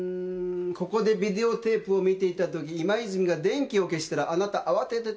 ここでビデオテープを見ていたとき今泉が電気を消したらあなた慌ててつけた。